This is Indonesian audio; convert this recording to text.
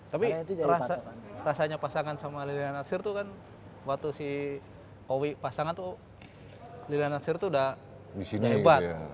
tapi rasanya pasangan sama liliana natsir tuh kan waktu si awya pasangan tuh liliana natsir tuh udah hebat